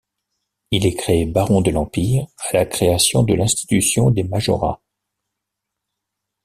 Il est créé baron de l’Empire à la création de l’institution des majorats.